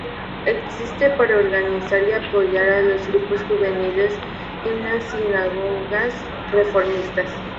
Existe para organizar y apoyar a los grupos juveniles en las sinagogas reformistas.